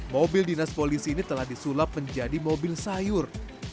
mobil dinas polisi ini telah disulap menjadi mobil sayur